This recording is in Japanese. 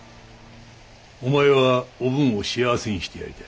お前はおぶんを幸せにしてやりたい？